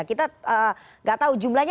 kita gak tahu jumlahnya